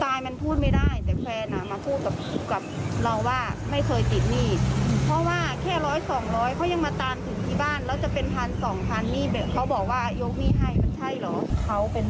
เขาเป็นลูกน้องไม่ใช่เจ้าของเงิน